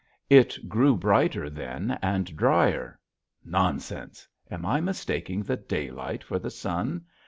It grew brighter then and drier, nonsense! am I mistaking the daylight for the sun?